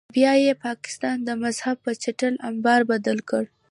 بیا یې پاکستان د مذهب په چټل امبار بدل کړ.